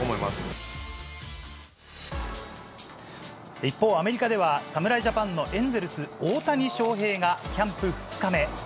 一方、アメリカでは侍ジャパンのエンゼルス、大谷翔平がキャンプ２日目。